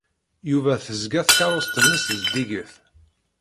Yuba tezga tkeṛṛust-nnes zeddiget.